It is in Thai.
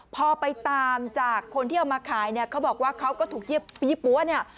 พอไปตามจากคนที่เอามาขายเนี่ยเขาบอกว่าเขาก็ถูกยี่ปั๊วเนี่ย